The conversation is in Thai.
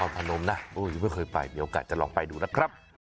พนมนะยังไม่เคยไปมีโอกาสจะลองไปดูนะครับ